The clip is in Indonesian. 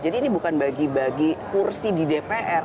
jadi ini bukan bagi bagi kursi di dpr